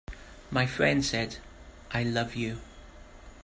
My friend said: "I love you.